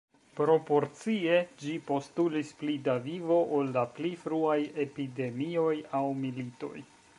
Proporcie, ĝi postulis pli da vivo ol la pli fruaj epidemioj aŭ militoj.